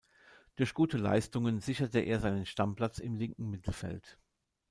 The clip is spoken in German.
Durch gute Leistungen sicherte er seinen Stammplatz im linken Mittelfeld.